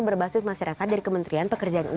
berbasis masyarakat dari kementerian pekerjaan umum